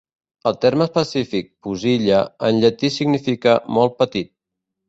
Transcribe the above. El terme específic "pusilla" en llatí significa "molt petit".